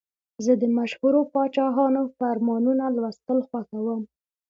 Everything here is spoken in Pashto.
زه د مشهورو پاچاهانو فرمانونه لوستل خوښوم.